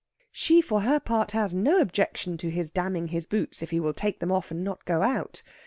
She, for her part, has no objection to his damning his boots if he will take them off, and not go out.